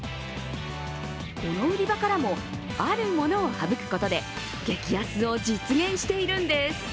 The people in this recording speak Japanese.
この売り場からもあるものを省くことで激安を実現しているんです。